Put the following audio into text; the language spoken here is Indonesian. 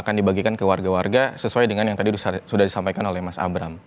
akan dibagikan ke warga warga sesuai dengan yang tadi sudah disampaikan oleh mas abram